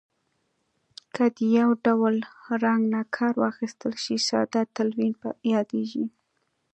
که د یو ډول رنګ نه کار واخیستل شي ساده تلوین یادیږي.